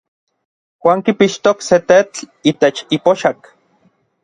Juan kipixtok se tetl itech ipoxak.